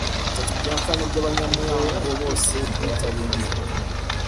Bitatu bya kane by’abanyamuyango bose bitabiriye